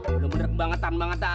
bener bener kebangetan banget ah